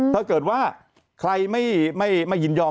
ถ้าเกิดว่าใครไม่ยินยอม